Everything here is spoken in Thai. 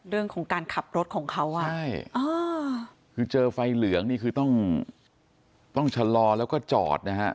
เรื่องของการขับรถของเขาอ่ะใช่คือเจอไฟเหลืองนี่คือต้องต้องชะลอแล้วก็จอดนะฮะ